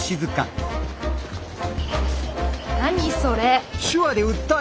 何それ？